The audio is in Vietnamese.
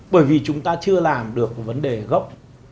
bởi vì chúng ta chưa làm được vấn đề gốc